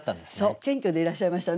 謙虚でいらっしゃいましたね